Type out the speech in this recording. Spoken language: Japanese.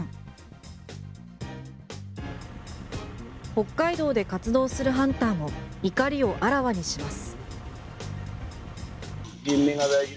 北海道で活動するハンターも怒りをあらわにします。